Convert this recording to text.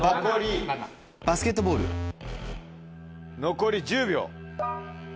残り１０秒。